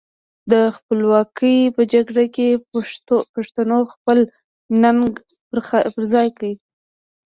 د خپلواکۍ په جګړه کې پښتنو خپله ننګه پر خای کړه.